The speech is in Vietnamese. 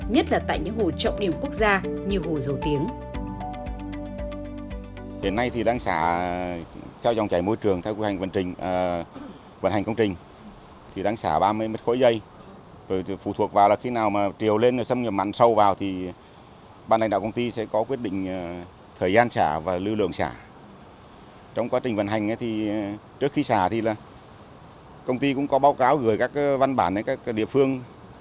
nhất là tại những hồ trọng điểm quốc gia như hồ dầu tiếng